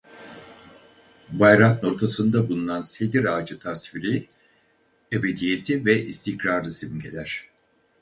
Bayrağın ortasında bulunan sedir ağacı tasviri ebediyeti ve istikrarı simgeler.